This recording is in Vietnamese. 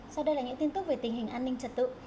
sau đây là những tin tức về tình hình an ninh trật tự